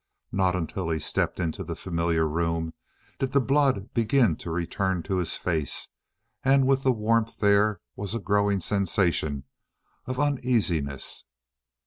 Not until he stepped into the familiar room did the blood begin to return to his face, and with the warmth there was a growing sensation of uneasiness.